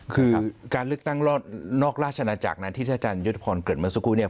คือการลึกตั้งนอกราชนาจักรที่ท่าอาจารย์ยทศพลเกิดมาสักครู่นี้